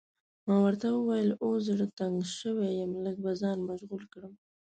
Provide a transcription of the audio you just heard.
ما ورته وویل اوس زړه تنګ شوی یم، لږ به ځان مشغول کړم.